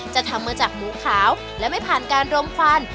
ทำมาจากหมูขาวและไม่ผ่านการรมควัน